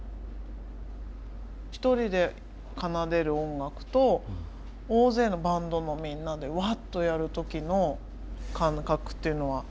１人で奏でる音楽と大勢のバンドのみんなでわっとやる時の感覚っていうのは違いますか？